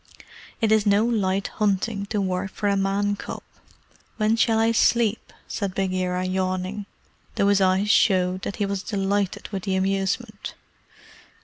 "It is no light hunting to work for a Man cub. When shall I sleep?" said Bagheera, yawning, though his eyes showed that he was delighted with the amusement.